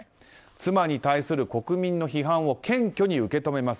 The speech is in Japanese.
妻に対する国民の批判を謙虚に受け止めます